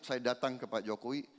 saya datang ke pak jokowi